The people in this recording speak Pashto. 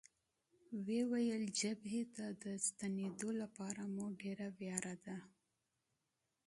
ویې ویل: جبهې ته د ستنېدو لپاره مو ډېره بېړه ده.